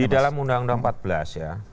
di dalam undang undang empat belas ya